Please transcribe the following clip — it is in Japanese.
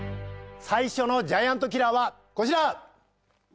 最初のジャイアントキラーはこちら！